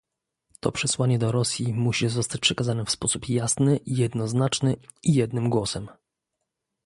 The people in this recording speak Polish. To przesłanie do Rosji musi zostać przekazane w sposób jasny, jednoznaczny i jednym głosem